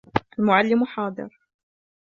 الْمُعَلِّمُ حاضِرٌ.